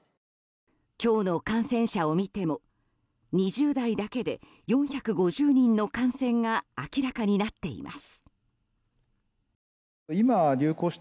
今日の感染者を見ても２０代だけで４５０人の感染が明らかになっています。